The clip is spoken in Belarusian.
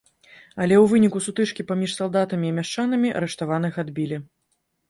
Але ў выніку сутычкі паміж салдатамі і мяшчанамі арыштаваных адбілі.